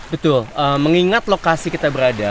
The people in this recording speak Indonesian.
betul mengingat lokasi kita berada